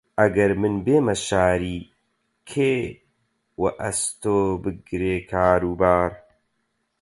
ئەگەر من بێمە شاری، کێ وەئەستۆ بگرێ کاروبار؟